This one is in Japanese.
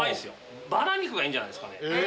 バラ肉がいいんじゃないですかね。